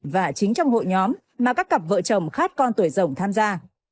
và chính trong hội nhóm mà các cặp vợ chồng khác con tủ rồng tham gia